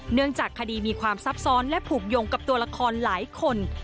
เนื่องจากคดีมีความซับซ้อนและผูกโยงกับตัวละครหลายคน